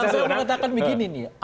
yang saya mau katakan begini nih